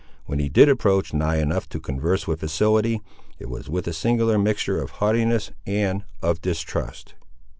When he did approach nigh enough to converse with facility, it was with a singular mixture of haughtiness and of distrust.